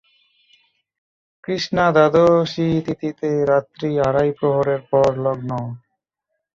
কৃষ্ণা দ্বাদশীতিথিতে রাত্রি আড়াই প্রহরের পর লগ্ন।